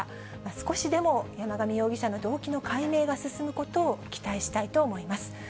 少しでも山上容疑者の動機の解明が進むことを期待したいと思います。